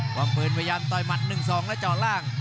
ป้อมปืนพยายามต่อยหมัดหนึ่งสองแล้วเจาะล่าง